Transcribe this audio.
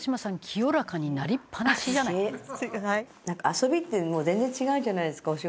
遊びって全然違うじゃないですかお仕事と。